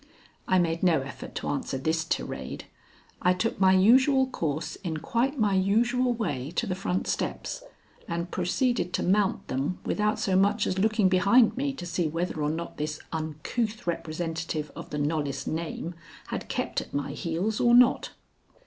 I made no effort to answer this tirade. I took my usual course in quite my usual way to the front steps and proceeded to mount them without so much as looking behind me to see whether or not this uncouth representative of the Knollys name had kept at my heels or not.